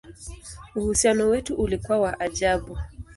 Uhusiano wetu ulikuwa wa ajabu!